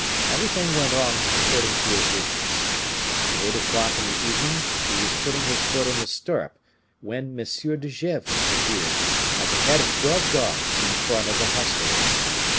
Everything went on according to his wishes. At eight o'clock in the evening, he was putting his foot in the stirrup, when M. de Gesvres appeared, at the head of twelve guards, in front of the hostelry.